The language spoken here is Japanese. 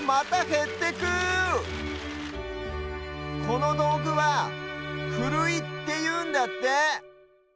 このどうぐは「ふるい」っていうんだって。